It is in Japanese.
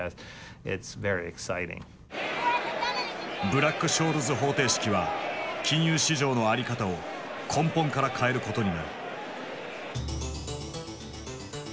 ブラック・ショールズ方程式は金融市場の在り方を根本から変えることになる。